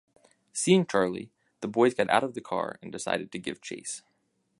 Seeing Charlie, the boys got out of the car and decided to give chase.